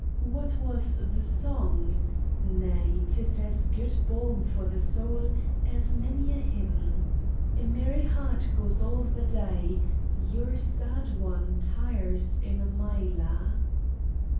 What says the song?—nay, 'tis as good balm for the soul as many a hymn: A merry heart goes all the day, Your sad one tires in a mile a!